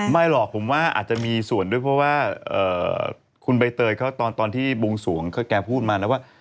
ไม่หรอกผมว่าคุณใบเตยตอนที่บุงสวงแกพูดเวลา